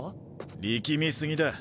力み過ぎだ。